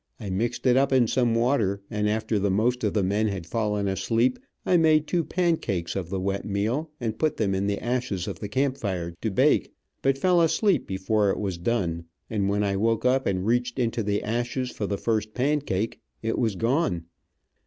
I mixed it up in some water, and after the most of the men had fallen asleep, I made two pancakes of the wet meal, and put them in the ashes of the camp fire to bake, but fell asleep before it was done, and when I woke up and reached into the ashes for the first pancake, it was gone.